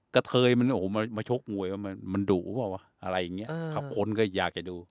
เกะเทยมันมาชกมวยมันดุหรือเปล่าอะไรอย่างนี้คนก็อยากจะดู